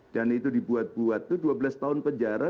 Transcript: dan itu dibuat buat itu dua belas tahun penjara